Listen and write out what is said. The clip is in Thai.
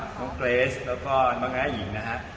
น้องเกรซแล้วก็น้องอายาหยิงนะครับ